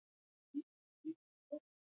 ته څه وايې چې څه کول پکار دي؟